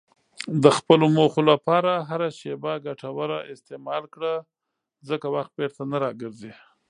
د خپلو موخو لپاره هره شېبه ګټوره استعمال کړه، ځکه وخت بیرته نه راګرځي.